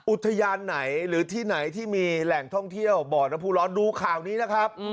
อุทยานไหนหรือที่ไหนที่มีแหล่งท่องเที่ยวบ่อน้ำผู้ร้อนดูข่าวนี้นะครับ